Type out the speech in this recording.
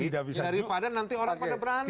daripada nanti orang pada berani